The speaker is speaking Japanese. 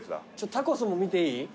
タコスも見ていい？